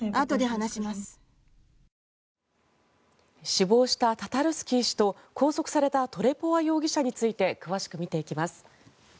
死亡したタタルスキー氏と拘束されたトレポワ容疑者について詳しく見ていきます。